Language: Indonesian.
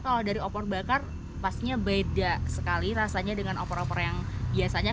kalau dari opor bakar pastinya beda sekali rasanya dengan opor opor yang biasanya